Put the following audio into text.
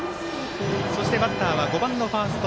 そしてバッターは５番のファースト